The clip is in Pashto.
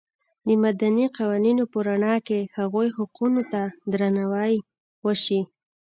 د مدني قوانینو په رڼا کې هغوی حقونو ته درناوی وشي.